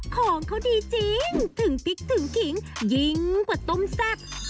ของเขาดีจริงถึงติ๊กถึงกิ๋งยิ้งกว่าต้มสักโอ้งเอวฮู้ยผิวพัน